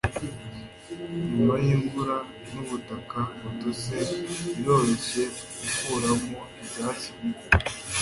Nyuma yimvura nubutaka butose biroroshye gukuramo ibyatsi bibi